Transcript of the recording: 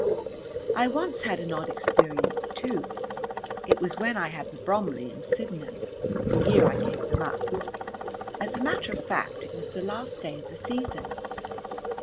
I once had an odd experience too. It was when I had the Bromley and Sydenham, the year I gave them up as a matter of fact it was the last day of the season.